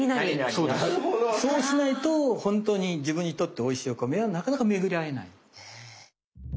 そうしないとほんとに自分にとっておいしいお米はなかなか巡り合えない。